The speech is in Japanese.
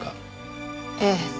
ええ。